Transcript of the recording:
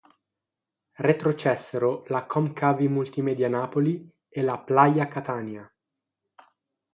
Retrocessero la Com Cavi Multimedia Napoli e la Playa Catania.